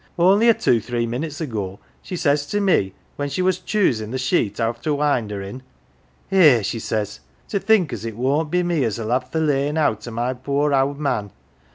Only a two three minutes ago she says to me when she was choosin' th' sheet I've to wind her in, ' Eh, she says, ' to think as it won't be me as 'ull have th' layin' out o' my poor owd man